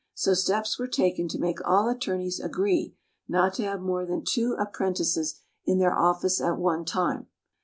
So steps were taken to make all attorneys agree not to have more than two apprentices in their office at one time.